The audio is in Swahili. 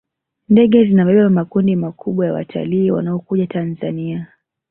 ndege zinabeba makundi makubwa ya watalii wanaokuja tanzania